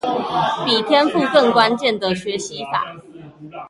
比天賦更關鍵的學習法